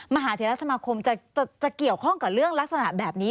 มหาเทราสมาคมจะเกี่ยวข้องกับเรื่องลักษณะแบบนี้